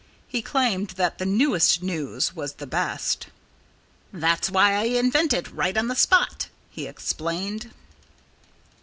He claimed that the newest news was the best. "That's why I invent it myself, right on the spot," he explained.